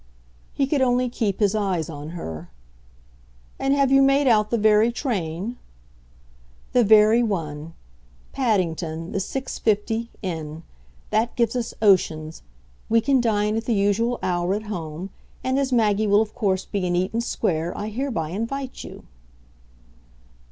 He could only keep his eyes on her. "And have you made out the very train ?" "The very one. Paddington the 6.50 'in.' That gives us oceans; we can dine, at the usual hour, at home; and as Maggie will of course be in Eaton Square I hereby invite you."